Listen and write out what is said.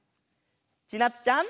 ちなつちゃん。